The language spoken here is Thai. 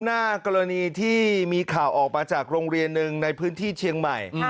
หน้ากรณีที่มีข่าวออกมาจากโรงเรียนหนึ่งในพื้นที่เชียงใหม่